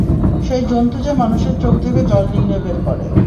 সেই জন্তু যে মানুষের চোখ থেকে জল নিংড়ে বের করে।